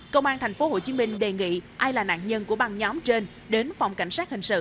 công an thành phố hồ chí minh đề nghị ai là nạn nhân của băng nhóm trên đến phòng cảnh sát hình sự